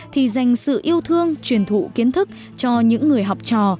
thì dành sự yêu thương truyền thụ kiến thức cho những người học trò